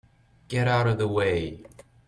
Get out of the way!